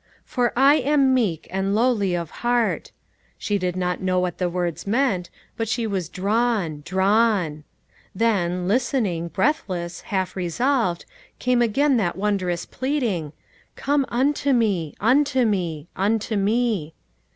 " For THE WAY MADE PLAIN. 357 I am meek and lowly of heart" she did not know what the words meant, but she was drawn, drawn. Then, listening, breathless, half resolved, came again that wondrous pleading, " Come unto Me, unto Me, unto Me."